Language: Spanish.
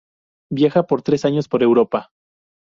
Viaja por tres años por Europa.